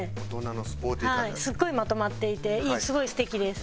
すごいまとまっていてすごい素敵です。